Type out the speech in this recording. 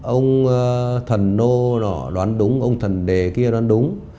ông thần nô đó đoán đúng ông thần đề kia đoán đúng